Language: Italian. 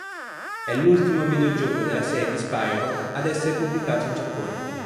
È l'ultimo videogioco della serie di "Spyro" ad essere pubblicato in Giappone.